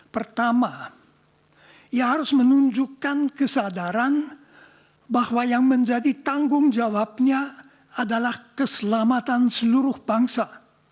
pertama ia harus menunjukkan kesadaran bahwa yang menjadi tanggung jawabnya adalah keselamatan seluruh bangsa